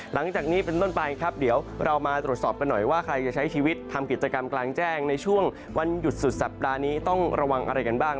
หลังจากนี้เป็นต้นไปครับเดี๋ยวเรามาตรวจสอบกันหน่อยว่าใครจะใช้ชีวิตทำกิจกรรมกลางแจ้งในช่วงวันหยุดสุดสัปดาห์นี้ต้องระวังอะไรกันบ้าง